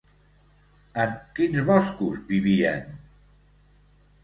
En quins boscos vivien?